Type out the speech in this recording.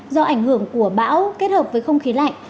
do ảnh hưởng của bão kết hợp với không khí lạnh